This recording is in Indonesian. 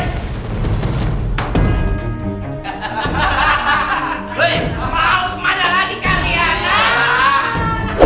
kamal kemana lagi kalian